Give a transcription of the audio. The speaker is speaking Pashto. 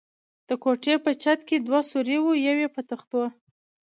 د کوټې په چت کې دوه سوري و، یو یې په تختو.